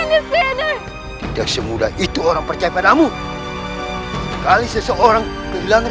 tidak semudah itu orang percaya padamu sekali seseorang kehilangan